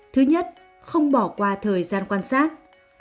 thứ nhất không bỏ qua thời gian quan sát